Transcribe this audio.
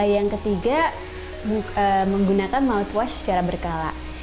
yang ketiga menggunakan mouthwash secara berkala